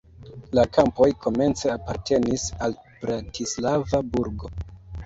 La kampoj komence apartenis al Bratislava burgo.